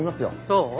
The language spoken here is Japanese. そう？